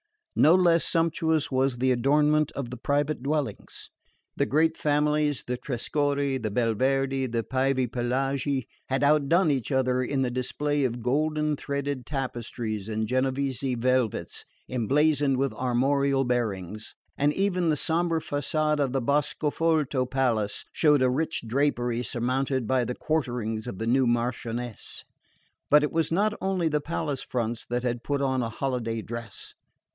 No less sumptuous was the adornment of the private dwellings. The great families the Trescorri, the Belverdi, the Pievepelaghi had outdone each other in the display of golden threaded tapestries and Genoese velvets emblazoned with armorial bearings; and even the sombre facade of the Boscofolto palace showed a rich drapery surmounted by the quarterings of the new Marchioness. But it was not only the palace fronts that had put on a holiday dress.